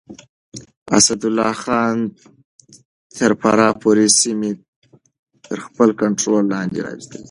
اسدالله خان تر فراه پورې سيمې تر خپل کنټرول لاندې راوستې.